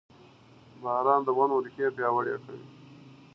• باران د ونو ریښې پیاوړې کوي.